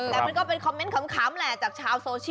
แต่มันก็เป็นคอมเมนต์ขำแหละจากชาวโซเชียล